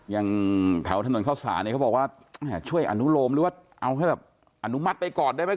อย่างแถวถนนเข้าสารเนี่ยเขาบอกว่าช่วยอนุโลมหรือว่าเอาให้แบบอนุมัติไปก่อนได้ไหม